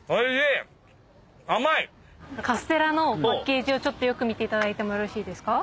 カステラのパッケージをよく見ていただいてもいいですか？